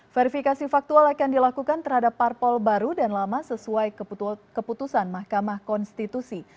verifikasi faktual akan dilakukan terhadap parpol baru dan lama sesuai keputusan mahkamah konstitusi